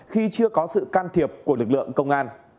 khi chưa có sự can thiệp của lực lượng công an